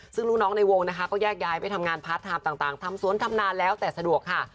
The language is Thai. ซึ่งลูกน้องในวงนะคะก็แยกย้ายไปทำงานพาร์ทไทม์ต่างทำสวนทำนานแล้วแต่สะดวกค่ะ